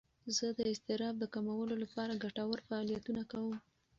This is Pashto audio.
زه د اضطراب د کمولو لپاره ګټور فعالیتونه کوم.